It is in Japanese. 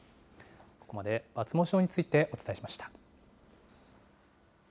ここまで抜毛症についてお伝えしました。